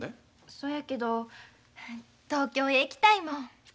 そやけど東京へ行きたいもん。